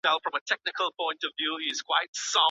ناروغان د خپلو درملو په اړه پوښتنه کولای سي؟